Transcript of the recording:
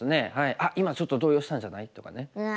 「あっ今ちょっと動揺したんじゃない？」とかね。